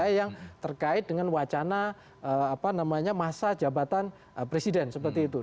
yang terkait dengan wacana masa jabatan presiden seperti itu